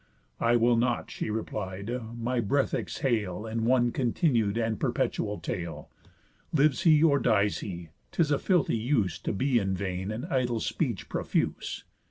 "I will not," she replied, "my breath exhale In one continued and perpetual tale, Lives he or dies he. 'Tis a filthy use, To be in vain and idle speech profuse."